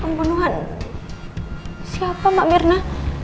pembunuhan siapa mbak mirna